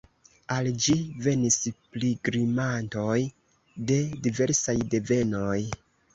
Al ĝi venis pilgrimantoj de diversaj devenoj.